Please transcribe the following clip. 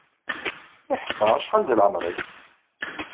Iḥqa, acḥal deg leɛmer-ik?